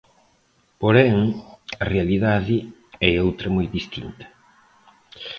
Porén, a realidade é outra moi distinta.